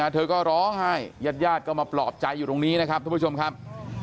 เธอก็ร้องไห้ยาดก็มาปลอบใจอยู่ตรงนี้นะครับทุกผู้ชมครับ